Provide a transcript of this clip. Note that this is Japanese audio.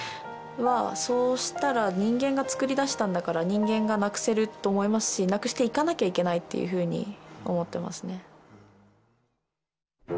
そうしたら人間が作りだしたんだから人間がなくせると思いますしなくしていかなきゃいけないっていうふうに思ってますね。